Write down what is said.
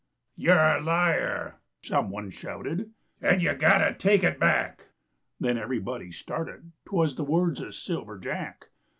"You're a liar," someone shouted, "And you've got to take it back." Then everybody started, 'Twas the words of Silver Jack.